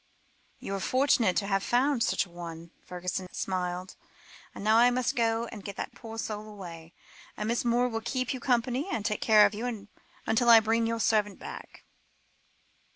"You are fortunate to have found such an one," Fergusson smiled, "and now I must go and get that poor soul away; and Miss Moore will keep you company, and take care of you, until I bring your servant back."